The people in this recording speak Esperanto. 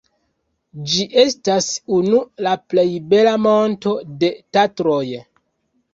Ĝi estas unu la plej bela monto de Tatroj.